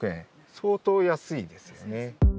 相当安いですよね。